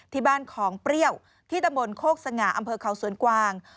ที่บ้านของเปรี้ยวที่ตะบนโคกสง่าอำเภอเขาสวนกวาง